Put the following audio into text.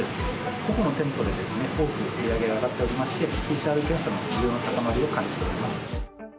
個々の店舗で多く売り上げが上がっておりまして、ＰＣＲ検査の需要の高まりを感じております。